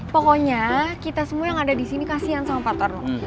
pokoknya kita semua yang ada di sini kasian sama pak torno